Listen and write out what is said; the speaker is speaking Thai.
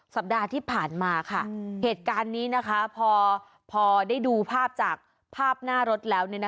สัปดาห์ที่ผ่านมาค่ะเหตุการณ์นี้พอได้ดูภาพจากภาพหน้ารถแล้ว